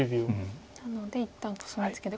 なので一旦コスミツケで。